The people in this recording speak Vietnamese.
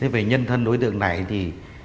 về nhân thân đối tượng này thì